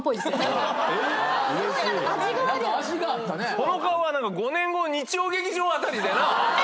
この顔は５年後日曜劇場あたりでな。